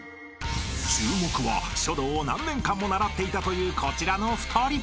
［注目は書道を何年間も習っていたというこちらの２人。